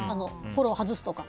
フォロー外すとか。